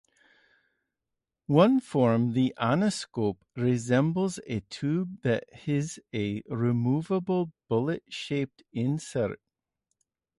One form, the anoscope, resembles a tube that has a removable bullet-shaped insert.